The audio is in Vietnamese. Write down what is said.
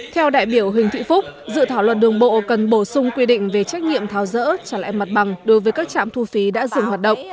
theo đại biểu huỳnh thị phúc dự thảo luật đường bộ cần bổ sung quy định về trách nhiệm tháo rỡ trả lại mặt bằng đối với các trạm thu phí đã dừng hoạt động